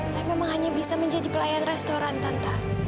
saya memang hanya bisa menjadi pelayan restoran tanpa